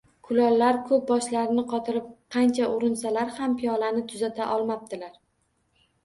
Kulollar ko‘p boshlarini qotirib, qancha urinsalar ham piyolani tuzata olmabdilar